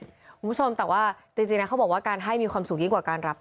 คุณผู้ชมแต่ว่าจริงนะเขาบอกว่าการให้มีความสุขยิ่งกว่าการรับ